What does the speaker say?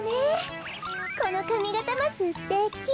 このかみがたもすてき。